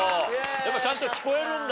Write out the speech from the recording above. やっぱちゃんと聞こえるんだ！